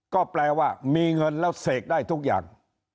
ก็แปลว่ามีเงินแล้วเสกได้ทุกอย่าง